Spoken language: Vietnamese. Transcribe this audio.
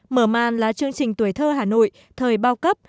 mở màn là chương trình tuổi thơ hà nội thời bao cấp